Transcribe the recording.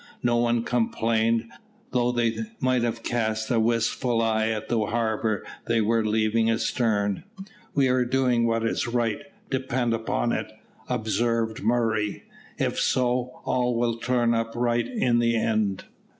No one complained, though they might have cast a wistful eye at the harbour they were leaving astern. "We are doing what is right, depend upon it," observed Murray. "If so, all will turn up right in the end."